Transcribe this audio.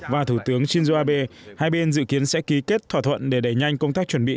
và thủ tướng shinzo abe hai bên dự kiến sẽ ký kết thỏa thuận để đẩy nhanh công tác chuẩn bị